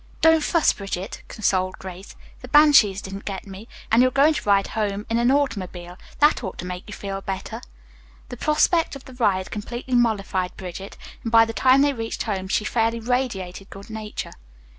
"Don't fuss, Bridget," consoled Grace. "The banshees didn't get me, and you're going to ride home in an automobile. That ought to make you feel better." The prospect of the ride completely mollified Bridget, and by the time they reached home she fairly radiated good nature.